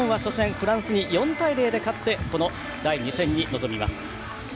フランスに４対０で勝ってこの第２戦に臨みます。